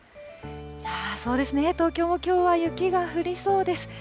そうですね、東京もきょうは雪が降りそうです。